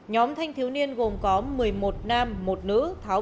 nhóm thanh thiếu niên gồm có một mươi một nam một nữ tháo